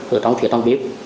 ở trong phía trong bếp